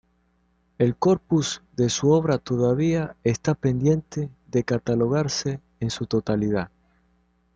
El corpus de su obra todavía está pendiente de catalogarse en su totalidad.